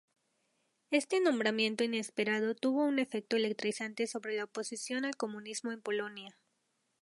Este nombramiento inesperado tuvo un efecto electrizante sobre la oposición al comunismo en Polonia.